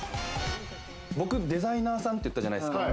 僕、デザイナーさんって言ったじゃないですか。